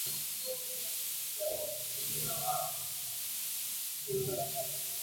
এই রক্ত কোত্থেকে আসছে?